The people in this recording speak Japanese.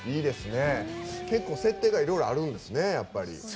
結構、設定がいろいろあるんですね。